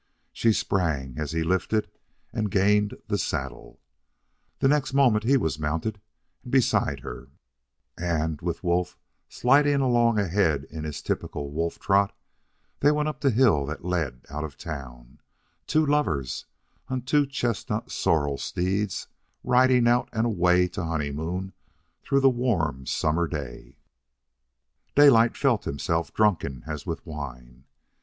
She sprang, as he lifted and gained the saddle. The next moment he was mounted and beside her, and, with Wolf sliding along ahead in his typical wolf trot, they went up the hill that led out of town two lovers on two chestnut sorrel steeds, riding out and away to honeymoon through the warm summer day. Daylight felt himself drunken as with wine.